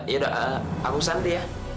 yaudah aku santai ya